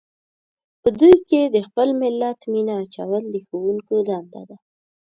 په دوی کې د خپل ملت مینه اچول د ښوونکو دنده ده.